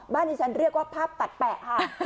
บ้านที่ฉันเรียกว่าภาพตัดแปะ